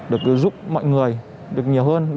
được giúp mọi người được nhiều hơn